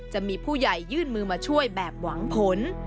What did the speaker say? จะมีผู้ใหญ่ยื่นมือมาช่วยแบบหวังผล